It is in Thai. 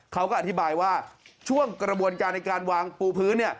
เขาก็อธิบายว่าช่วงกระบวนการในการวางปูพื้น